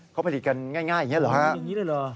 เขาผลิตกันง่ายอย่างนี้เหรอครับ